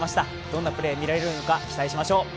どんなプレーが見られるのか期待しましょう。